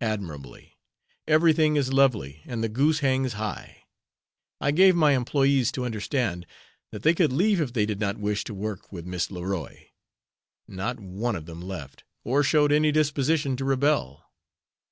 "Admirably! 'Everything is lovely and the goose hangs high.' I gave my employés to understand that they could leave if they did not wish to work with Miss Leroy. Not one of them left, or showed any disposition to rebel."